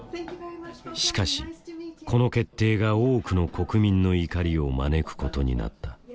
しかしこの決定が多くの国民の怒りを招くことになった。